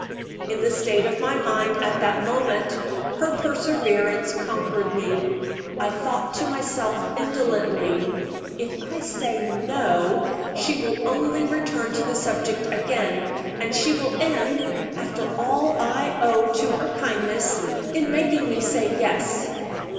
In the state of my mind at that moment, her perseverance conquered me. I thought to myself indolently, "If I say No, she will only return to the subject again, and she will end (after all I owe to her kindness) in making me say Yes."